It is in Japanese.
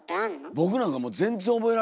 僕なんかもう全然覚えられないですよ